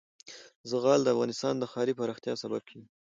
زغال د افغانستان د ښاري پراختیا سبب کېږي.